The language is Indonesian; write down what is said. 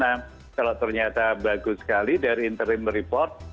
nah kalau ternyata bagus sekali dari interim report